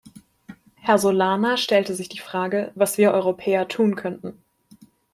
Herr Solana stellte sich die Frage, was wir Europäer tun könnten.